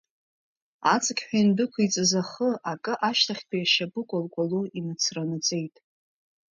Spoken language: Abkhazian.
Аҵықьҳәа индәықәиҵаз ахы, акы ашьҭахьтәи ашьапы кәалкәало инацранаҵеит.